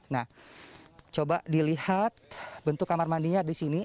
nah coba dilihat bentuk kamar mandinya di sini